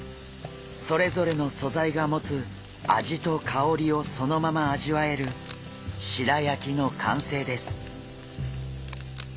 それぞれの素材が持つ味とかおりをそのまま味わえる白焼きの完成です。